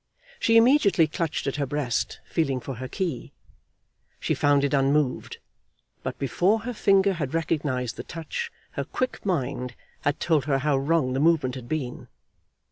She immediately clutched at her breast, feeling for her key. She found it unmoved, but before her finger had recognised the touch, her quick mind had told her how wrong the movement had been.